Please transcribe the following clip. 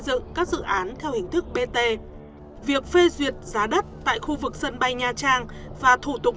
dựng các dự án theo hình thức bt việc phê duyệt giá đất tại khu vực sân bay nha trang và thủ tục